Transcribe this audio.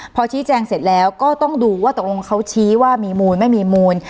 พอชี้แจงเสร็จแล้วก็ต้องดูว่าตกลงเขาชี้ว่ามีมูลไม่มีมูล